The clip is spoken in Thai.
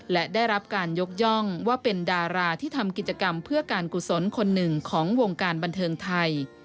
และได้รับการยกย่องว่าเป็นดาราที่ทำกิจกรรมเพื่อการกุศลคนหนึ่งของวงการบันเทิงไทย